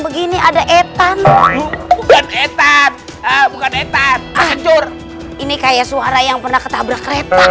begini ada etan bukan etan bukan etan kejur ini kayak suara yang pernah ketabrak kereta